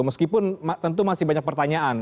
meskipun tentu masih banyak pertanyaan